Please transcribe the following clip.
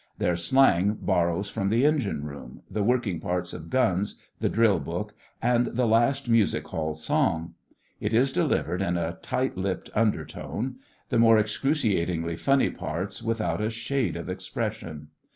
Their slang borrows from the engine room, the working parts of guns, the drill book, and the last music hall song. It is delivered in a tight lipped undertone; the more excruciatingly funny parts without a shade of expression.